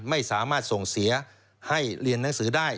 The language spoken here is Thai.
ไม่สามารถส่งเสียให้เรียนหนังสือได้